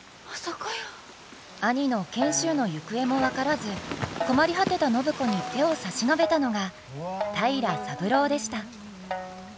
兄の賢秀の行方も分からず困り果てた暢子に手を差し伸べたのが平良三郎でした。